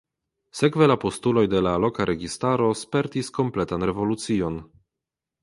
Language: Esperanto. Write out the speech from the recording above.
Sekve la postuloj de la loka registaro spertis kompletan revolucion.